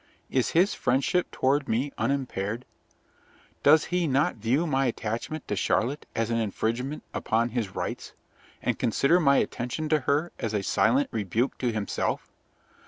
Is his friendship toward me unimpaired? Does he not view my attachment to Charlotte as an infringement upon his rights, and consider my attention to her as a silent rebuke to himself?